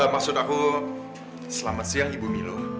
maksud aku selamat siang ibu milu